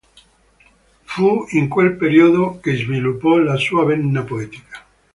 Fu in quel periodo che sviluppò la sua vena poetica.